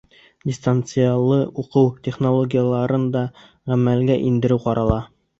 Дистанциялы уҡыу технологияларын да ғәмәлгә индереү ҡарала.